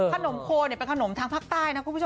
ขนมโคเป็นขนมทางภาคใต้นะคุณผู้ชม